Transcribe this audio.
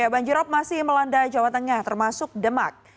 banjirop masih melanda jawa tengah termasuk demak